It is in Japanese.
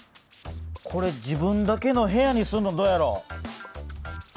これ自分だけの部屋にするのどうやろう？